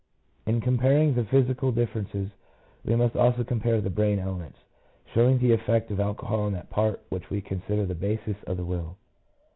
In comparing the psychical differences we must also compare the brain elements, showing the effect of alcohol on that part which we consider the basis of the will.